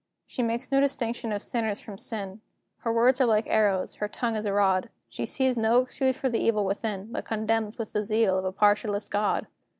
She makes no distinction of sinners from sin; Her words are like arrows, her tongue is a rod; She sees no excuse for the evil within, But condemns with the zeal of a partialist God!